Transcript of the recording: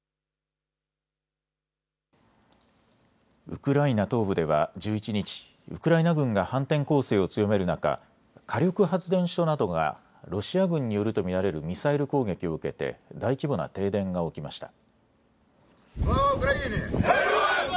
ウクライナ東部では１１日、ウクライナ軍が反転攻勢を強める中、火力発電所などがロシア軍によると見られるミサイル攻撃を受けて大規模な停電が起きました。